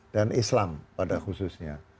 dan islam pada khususnya